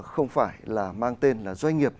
không phải là mang tên là doanh nghiệp